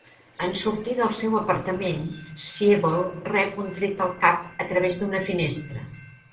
En sortir del seu apartament, Siebold rep un tret al cap a través d'una finestra.